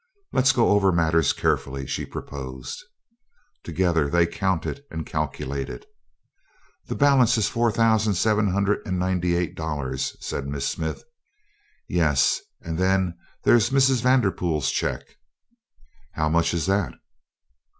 "Let's go over matters carefully," she proposed. Together they counted and calculated. "The balance is four thousand seven hundred and ninety eight dollars," said Miss Smith. "Yes, and then there's Mrs. Vanderpool's check." "How much is that?"